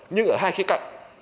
nhưng ở hai khía cạnh